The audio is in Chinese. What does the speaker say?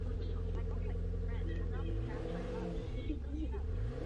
乐团的原成员为。